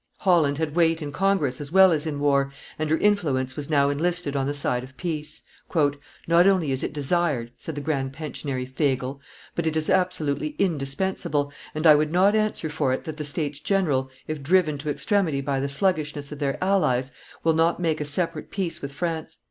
Holland had weight in congress as well as in war, and her influence was now enlisted on the side of peace. "Not only is it desired," said the grand pensionary Fagel, "but it is absolutely indispensable, and I would not answer for it that the States General, if driven to extremity by the sluggishness of their allies, will not make a separate peace with France.